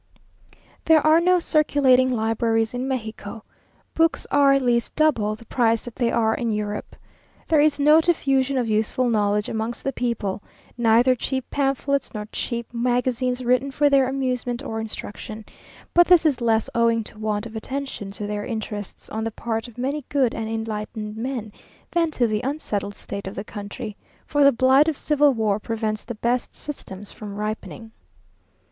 There are no circulating libraries in Mexico. Books are at least double the price that they are in Europe. There is no diffusion of useful knowledge amongst the people; neither cheap pamphlets nor cheap magazines written for their amusement or instruction; but this is less owing to want of attention to their interests on the part of many good and enlightened men, than to the unsettled state of the country; for the blight of civil war prevents the best systems from ripening.